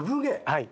はい。